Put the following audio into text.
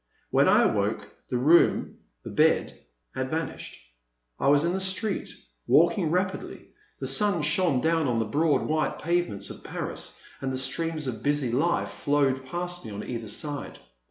When I awoke, the room, the bed had vanished ; I was in the street, walking rapidly ; the sun shone down on the broad white pavements of Paris, and the streams of busy life flowed past me on either side.